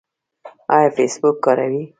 ایا فیسبوک کاروئ؟